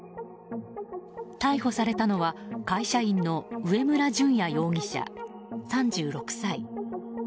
逮捕されたのは会社員の上村純也容疑者、３６歳。